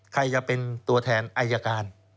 ใครจะเป็นตัวแทนอายการ